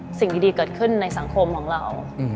เราอยากจะเห็นสิ่งดีเกิดขึ้นในสังคมของเรา